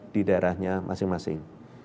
di daerahnya masing masing